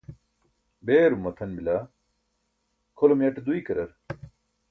beerum matʰan bila kʰolum yaṭe duykarar?